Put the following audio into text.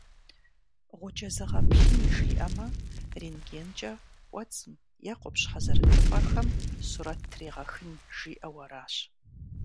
Гъуджэ зэгъэплъын жиӏэмэ, рентгенкӀэ кӀуэцӀым е къупщхьэ зэрытыпӀэхэм сурэт трегъэхын жиӏэу аращ.